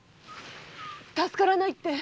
「助からない」って⁉